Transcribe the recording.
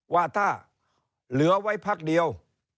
ว่าถ้าเหลือไว้พักเดียว